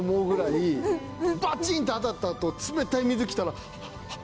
バチン！って当たった後冷たい水来たらハッ！